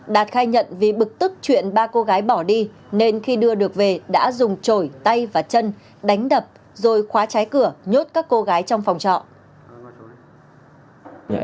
đạt khai nhận vì bực tức chuyện ba cô gái bỏ đi nên khi đưa được về đã dùng trổi tay và chân đánh đập rồi khóa trái cửa nhốt các cô gái trong phòng trọ